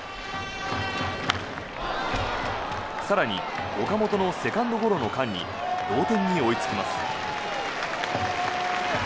更に、岡本のセカンドゴロの間に同点に追いつきます。